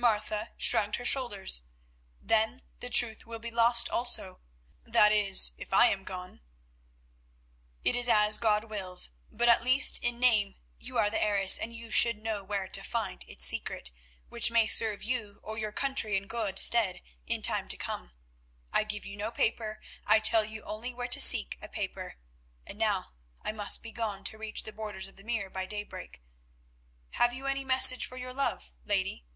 Martha shrugged her shoulders. "Then the treasure will be lost also, that is if I am gone. It is as God wills; but at least in name you are the heiress, and you should know where to find its secret, which may serve you or your country in good stead in time to come. I give you no paper, I tell you only where to seek a paper, and now I must be gone to reach the borders of the Mere by daybreak. Have you any message for your love, lady?"